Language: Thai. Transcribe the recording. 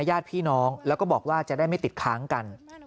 ญาติพี่น้องแล้วก็บอกว่าจะได้ไม่ติดค้างกัน